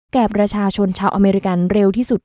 แก่ประชาชนชาวอเมริกันเร็วที่สุด